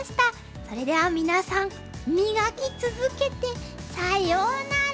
それでは皆さん磨き続けてさようなら！